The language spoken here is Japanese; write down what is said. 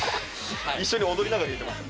一緒に踊りながら入れてました。